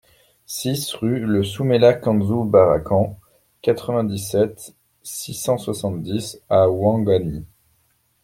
six rLE SOUMAILA KANDZOU BARAKAN, quatre-vingt-dix-sept, six cent soixante-dix à Ouangani